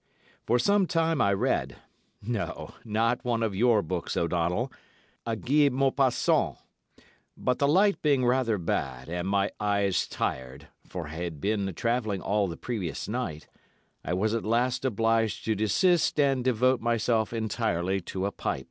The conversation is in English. "For some time I read—no, not one of your books, O'Donnell—a Guy Maupassant; but the light being rather bad, and my eyes tired, for I had been travelling all the previous night, I was at last obliged to desist and devote myself entirely to a pipe.